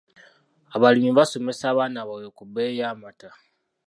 Abalimi basomesa abaana baabwe ku bbeeyi y'amata.